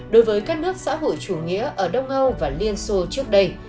đối với các nước xã hội chủ nghĩa ở đông âu và liên xô trước đây